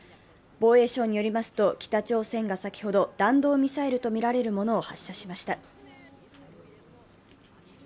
防衛省によりますと北朝鮮が先ほど弾道ミサイルとみられるものを発射しました。